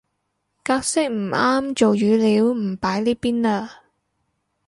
格式唔啱做語料唔擺呢邊嘞